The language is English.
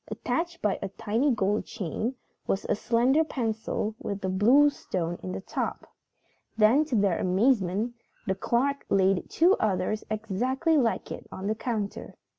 Attached by a tiny gold chain was a slender pencil with a blue stone in the top. Then, to their amazement, the clerk laid two others exactly like it on the counter.